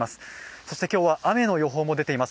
そして今日は雨の予報も出ています。